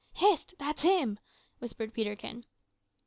"Hist! that's him," whispered Peterkin.